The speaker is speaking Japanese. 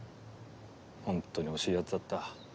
ほんとに惜しいやつだった。